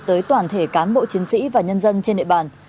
tới toàn thể cán bộ chiến sĩ và nhân dân trên địa bàn